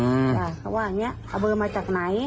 อืมอ่าเขาว่าอย่างเงี้ยเอาเบอร์มาจากไหน